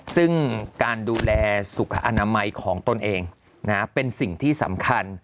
ซึ่งการดูแลสุขอนามัยของตนเองเป็นสิ่งที่สำคัญ